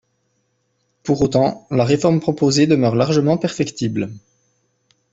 Pour autant, la réforme proposée demeure largement perfectible.